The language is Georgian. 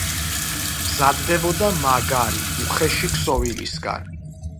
მზადდებოდა მაგარი, უხეში ქსოვილისგან.